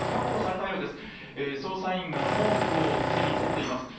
捜査員が毛布を手に取っています。